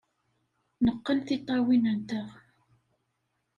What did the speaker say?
Neqqen tiṭṭawin-nteɣ.